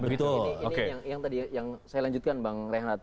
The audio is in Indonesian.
ini yang tadi saya lanjutkan bang rehanat